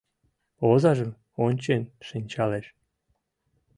Озажым ончен шинчалеш.